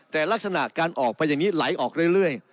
แต่ลักษณะการออกไปอย่างนี้ไหลออกเรื่อย